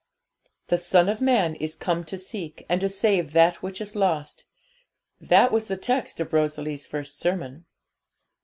'The Son of Man is come to seek and to save that which is lost.' That was the text of Rosalie's first sermon.